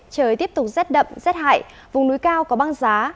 trời tiếp tục rét đậm rét hại vùng núi cao có băng giá